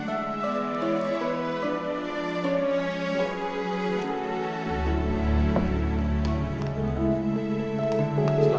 terima kasih pak